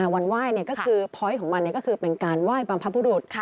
วันว่ายของมันก็คือเป็นการว่ายบัมพบุรุษ